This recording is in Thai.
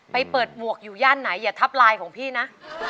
ไปเปิดหมวกอยู่ย่านไหนอย่าทับไลน์ของพี่นะ